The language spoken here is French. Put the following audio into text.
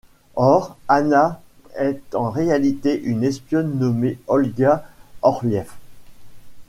Or, Anna est en réalité une espionne nommée Olga Orlief...